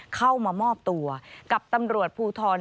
เข้ามามอบตัวกับตำรวจภูทร